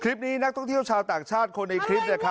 คลิปนี้นักท่องเที่ยวชาวต่างชาติคนในคลิป